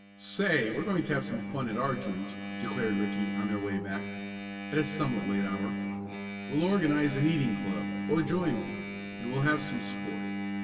"Say, we're going to have some fun at our joint," declared Ricky on their way back, at a somewhat late hour. "We'll organize an eating club, or join one, and we'll have some sport.